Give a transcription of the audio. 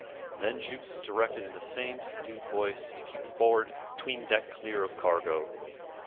Then Jukes was directed in the same subdued voice to keep the forward 'tween deck clear of cargo.